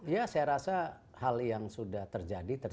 ya saya rasa hal yang sudah terjadi